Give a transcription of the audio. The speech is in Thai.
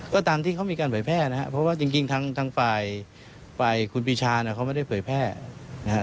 ก็ตามที่เขามีการเผยแพร่นะครับเพราะว่าจริงทางฝ่ายคุณปีชาเนี่ยเขาไม่ได้เผยแพร่นะครับ